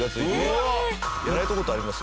やられた事ありますよ。